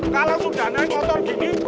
kalau sudah naik kotor gini